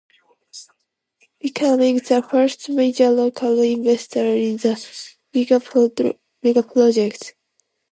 Becoming the first major local investor in the megaproject.